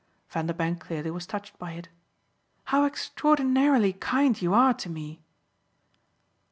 Vanderbank clearly was touched by it. "How extraordinarily kind you are to me!"